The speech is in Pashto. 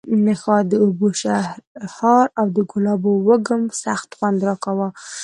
د اوبو شرهار او د ګلابو وږم سخت خوند راکاوه.